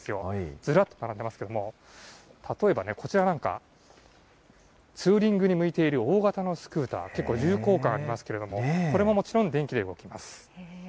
ずらっと並んでますけれども、例えばね、こちらなんか、ツーリングに向いている大型のスクーター、結構重厚感ありますけど、これももちろん電気で動きます。